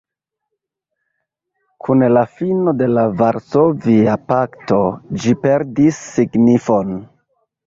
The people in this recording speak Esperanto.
Kun la fino de la Varsovia pakto ĝi perdis signifon.